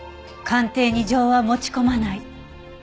鑑定に情は持ち込まない。